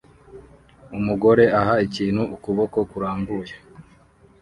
Umugore aha ikintu ukuboko kurambuye